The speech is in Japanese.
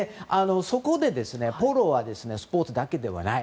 そこで、ポロはスポーツだけではない。